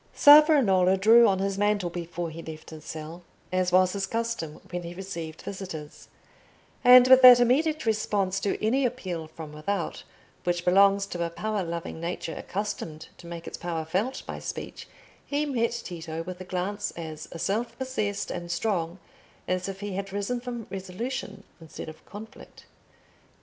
Savonarola drew on his mantle before he left his cell, as was his custom when he received visitors; and with that immediate response to any appeal from without which belongs to a power loving nature accustomed to make its power felt by speech, he met Tito with a glance as self possessed and strong as if he had risen from resolution instead of conflict.